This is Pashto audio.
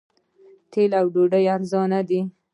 تیل او ډوډۍ ارزانه دي.